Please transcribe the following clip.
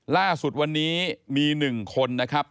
ล่าสุดวันนี้มี๑คนนะครับ